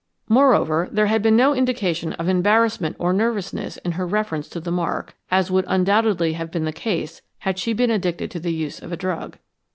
Moreover, there had bean no indication of embarrassment or nervousness in her reference to the mark, as would undoubtedly have been the case had she been addicted to the use of a drug.